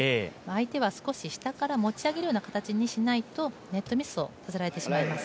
相手は少し下から持ち上げるような形にしないとネットミスをさせられてしまいます。